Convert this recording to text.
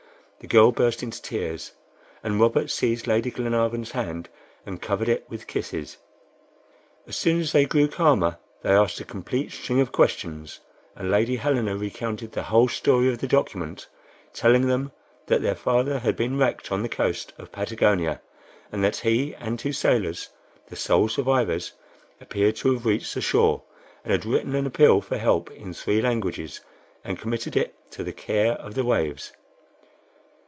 The girl burst into tears, and Robert seized Lady Glenarvan's hand and covered it with kisses. As soon as they grew calmer they asked a complete string of questions, and Lady Helena recounted the whole story of the document, telling them that their father had been wrecked on the coast of Patagonia, and that he and two sailors, the sole survivors, appeared to have reached the shore, and had written an appeal for help in three languages and committed it to the care of the waves.